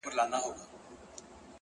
ستا له خندا نه الهامونه د غزل را اوري’